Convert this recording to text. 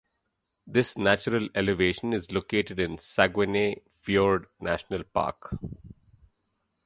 This natural elevation is located in Saguenay Fjord National Park.